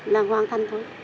là hoàn thành thôi